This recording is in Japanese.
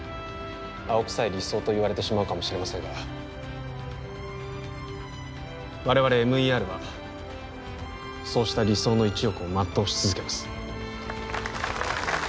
青臭い理想と言われてしまうかもしれませんが我々ＭＥＲはそうした理想の一翼をまっとうし続けます